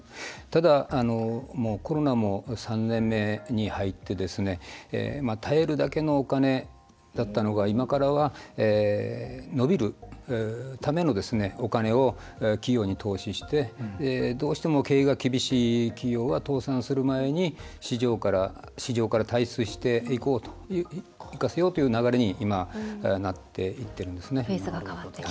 ただ、コロナも３年目に入って耐えるだけのお金だったのが今からは伸びるためのお金を企業に投資してどうしても経営が厳しい企業は倒産する前に市場から退出していかせようという流れになっていってるんですね。